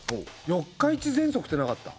四日市ぜんそくってなかった？